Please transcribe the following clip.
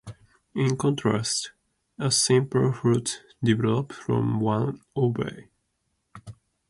In contrast, a "simple fruit" develops from one ovary.